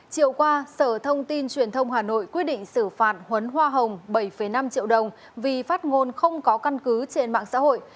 chiều qua sở thông tin truyền thông hà nội quyết định xử phạt huấn hoa hồng bảy năm triệu đồng vì phát ngôn không có căn cứ trên mạng xã hội